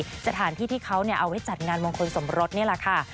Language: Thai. สถานที่ที่เขาเอาไว้จัดงานมงคลสมรสนี่แหละค่ะ